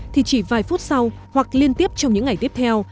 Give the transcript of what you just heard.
thì chỉ vài phút sau hoặc liên tiếp trong những ngày tiếp theo